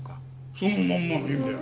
そのまんまの意味だよ。